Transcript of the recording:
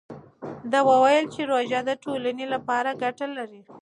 ده وویل چې روژه د ټولنې لپاره ګټه لري.